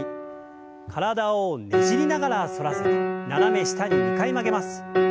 体をねじりながら反らせて斜め下に２回曲げます。